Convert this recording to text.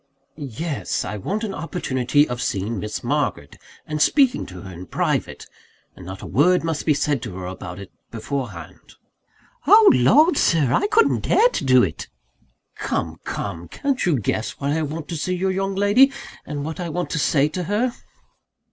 "Yes. I want an opportunity of seeing Miss Margaret, and speaking to her in private and not a word must be said to her about it, beforehand." "Oh Lord, Sir! I couldn't dare to do it!" "Come! come! Can't you guess why I want to see your young lady, and what I want to say to her?"